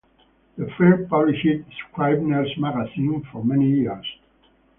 The firm published "Scribner's Magazine" for many years.